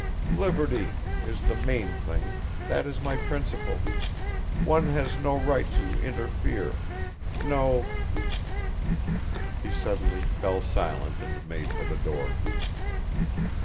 "Liberty is the main thing that is my principle ... one has no right to interfere. .. no ..." He suddenly fell silent and made for the door.